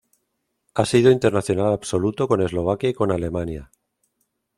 Ha sido internacional absoluto con Eslovaquia y con Alemania.